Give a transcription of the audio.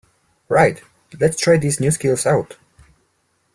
Right, lets try these new skills out!